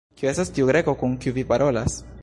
Kiu estas tiu Greko, kun kiu vi parolas?